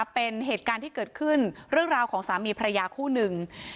เป็นเหตุการณ์ที่เกิดขึ้นเรื่องราวของสามีภรรยาคู่หนึ่ง